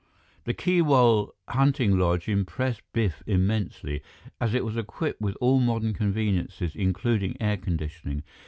The Keewal hunting lodge impressed Biff immensely, as it was equipped with all modern conveniences including air conditioning.